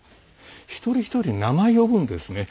一人一人、名前を呼ぶんですね。